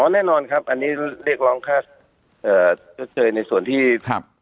แน่นอนครับอันนี้เรียกร้องค่าชดเชยในส่วนที่